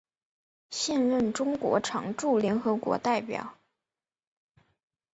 现任中国常驻联合国代表。